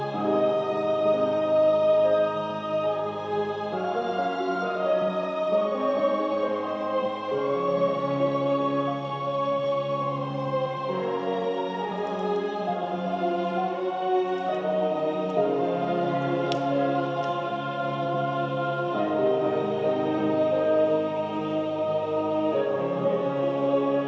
ketua dewan gelar